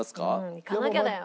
いかなきゃだよ。